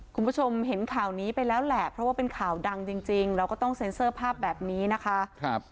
คุณผู้ชมเห็นข่าวนี้ไปแล้วแหละเพราะว่าเป็นข่าวดังจริงเราก็ต้องเซ็นเซอร์ภาพแบบนี้นะคะ